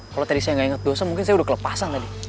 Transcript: kalau tadi saya nggak ingat dosa mungkin saya udah kelepasan tadi